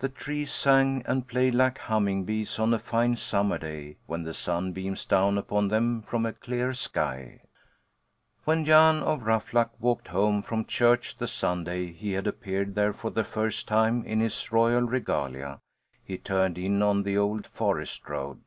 The trees sang and played like humming bees on a fine summer day, when the sun beams down upon them from a clear sky. When Jan of Ruffluck walked home from church the Sunday he had appeared there for the first time in his royal regalia, he turned in on the old forest road.